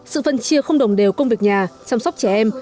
sự phân chia không đồng đều công việc nhà chăm sóc trẻ em